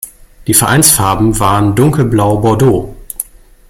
Die Vereinsfarben waren dunkelblau-bordeaux.